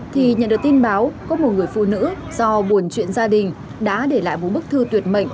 thì nhận được tin báo có một người phụ nữ do buồn chuyện gia đình đã để lại một bức thư tuyệt mệnh